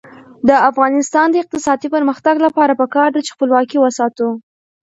د افغانستان د اقتصادي پرمختګ لپاره پکار ده چې خپلواکي وساتو.